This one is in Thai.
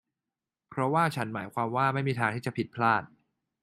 เพราะว่าฉันหมายความว่าไม่มีทางที่จะผิดพลาด